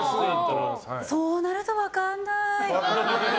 そうなると分かんない。